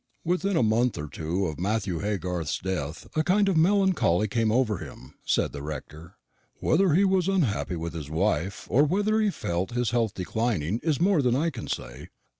"Within a month or two of Matthew Haygarth's death a kind of melancholy came over him," said the rector. "Whether he was unhappy with his wife, or whether he felt his health declining, is more than I can say.